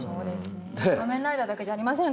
「仮面ライダー」だけじゃありませんからね。